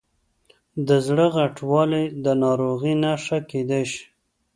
د زړه غټوالی د ناروغۍ نښه کېدای شي.